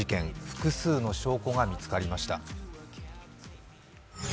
複数の証拠が見つかりました。